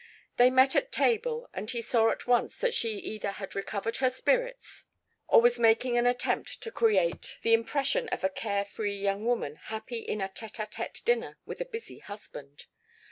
They met at table and he saw at once that she either had recovered her spirits or was making a deliberate attempt to create the impression of a carefree young woman happy in a tête à tête dinner with a busy husband.